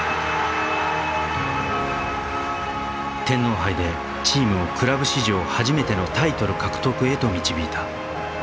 天皇杯でチームをクラブ史上初めてのタイトル獲得へと導いた。